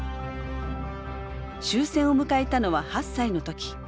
終戦を迎えたのは８歳の時。